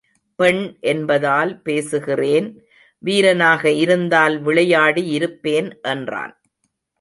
பெண் என்பதால் பேசுகிறேன் வீரனாக இருந்தால் விளையாடி இருப்பேன் என்றான்.